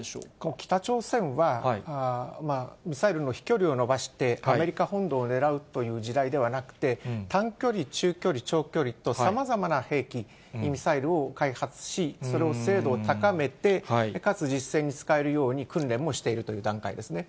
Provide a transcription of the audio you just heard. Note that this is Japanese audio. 北朝鮮は、ミサイルの飛距離を伸ばして、アメリカ本土を狙うという時代ではなくて、短距離、中距離、長距離と、さまざまな兵器、ミサイルを開発し、それを精度を高めて、かつ実戦に使えるように訓練をしているという段階ですね。